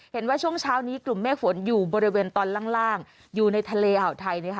เห็นว่าช่วงเช้านี้กลุ่มเมฆฝนอยู่บริเวณตอนล่างอยู่ในทะเลอ่าวไทย